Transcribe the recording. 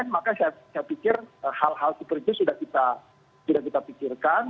maka saya pikir hal hal seperti itu sudah kita pikirkan